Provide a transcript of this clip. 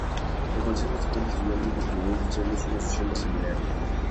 El Consejo Estatal de Estudiantes de Ingeniería Industrial es una asociación asamblearia.